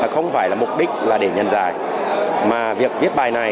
không phải là mục đích là để nhân giải mà việc viết bài này